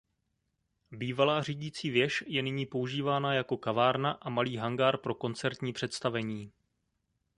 Bývalá řídící věž je nyní používána jako kavárna a malý hangár pro koncertní představení.